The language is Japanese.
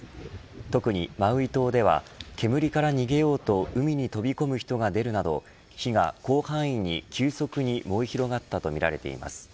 特にマウイ島では煙から逃げようと海に飛び込む人が出るなど火が広範囲に急速に燃え広がったとみられています。